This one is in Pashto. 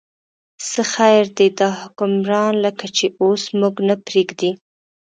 څه خیر دی، دا حکمران لکه چې اوس موږ نه پرېږدي.